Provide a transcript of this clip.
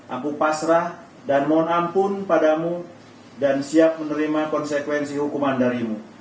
aku pasrah dan mohon ampun padamu dan siap menerima konsekuensi hukuman darimu